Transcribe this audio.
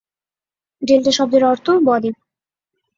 Delta শব্দের অর্থ বদ্বীপ।